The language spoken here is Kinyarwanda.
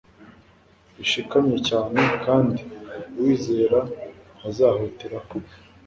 rishikamye cyane; kandi uwizera ntazahutiraho!»